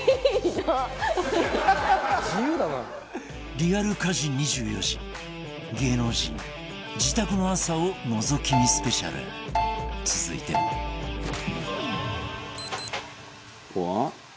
リアル家事２４時芸能人、自宅の朝をのぞき見スペシャル続いてはバカリズム：ここは？